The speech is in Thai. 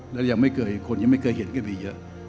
แล้วยังไม่เคยคนยังไม่เคยเห็นก็มีเยอะ